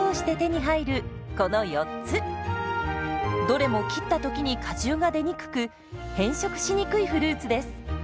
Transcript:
どれも切った時に果汁が出にくく変色しにくいフルーツです。